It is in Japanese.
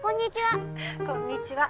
こんにちは。